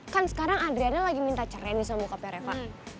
kan sekarang adriana lagi minta ceraian nih sama bokapnya reva